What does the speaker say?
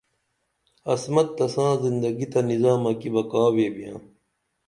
عصمت تساں زندگی تہ نظامہ کی بہ کا ویبِیاں